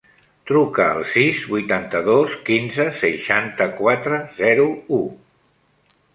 Truca al sis, vuitanta-dos, quinze, seixanta-quatre, zero, u.